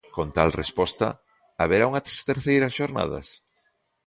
Con tal resposta, haberá unhas terceiras xornadas?